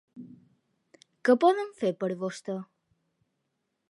Què podem fer per vostè?